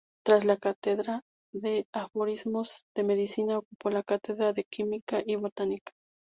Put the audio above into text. Tras la cátedra de aforismos de medicina, ocupó la cátedra de química y botánica.